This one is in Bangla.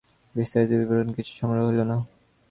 বিস্তারিত বিবরণ কিছুই সংগ্রহ হইল না।